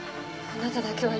あなただけは！